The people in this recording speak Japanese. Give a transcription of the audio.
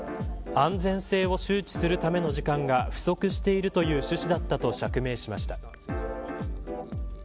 安全性を周知するための時間が不足しているという趣旨だったと釈明しました。